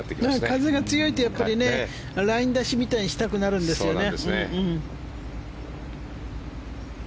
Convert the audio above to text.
風が強いとライン出しみたいなのをしたくなるんですよね。